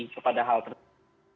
kepada hal tersebut